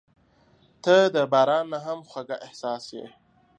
• ته د باران نه هم خوږه احساس یې.